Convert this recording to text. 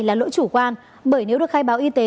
là lỗi chủ quan bởi nếu được khai báo y tế